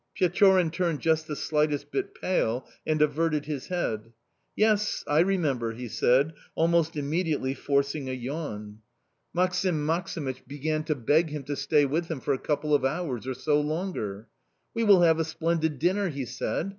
Pechorin turned just the slightest bit pale and averted his head. "Yes, I remember!" he said, almost immediately forcing a yawn. Maksim Maksimych began to beg him to stay with him for a couple of hours or so longer. "We will have a splendid dinner," he said.